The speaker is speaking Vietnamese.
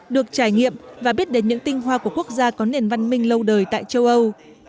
được trải nghiệm và biết đến những tinh hoa của quốc gia có nền văn minh lâu đời tại châu âu